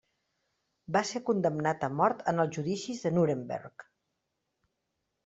Va ser condemnat a mort en els Judicis de Nuremberg.